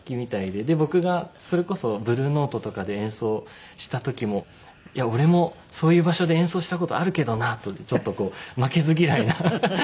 で僕がそれこそブルーノートとかで演奏した時もいや俺もそういう場所で演奏した事あるけどなとちょっとこう負けず嫌いな。